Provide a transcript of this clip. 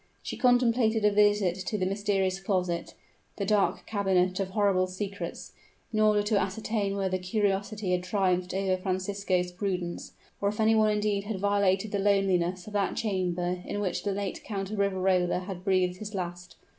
She contemplated a visit to the mysterious closet the dark cabinet of horrible secrets, in order to ascertain whether curiosity had triumphed over Francisco's prudence, or if any one indeed had violated the loneliness of that chamber in which the late Count of Riverola, had breathed his last.